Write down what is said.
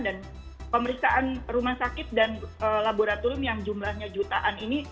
dan pemeriksaan rumah sakit dan laboratorium yang jumlahnya jutaan ini